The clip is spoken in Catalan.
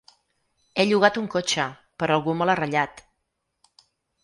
He llogat un cotxe però algú me l'ha ratllat.